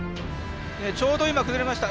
ちょうど今崩れました。